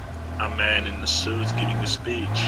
a man in a suit giving a speech.